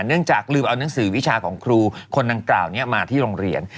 เนื่องจากลืมเอานังสือวิชาของครูคนดังกล่าวนี้มาที่โรงเรียน